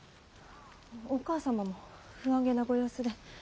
お義母様も不安げなご様子で。